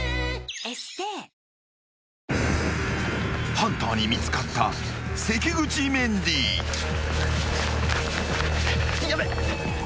［ハンターに見つかった関口メンディー］ヤベッ。